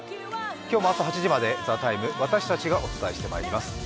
今日も朝８時まで「ＴＨＥＴＩＭＥ，」私たちがお伝えしてまいります。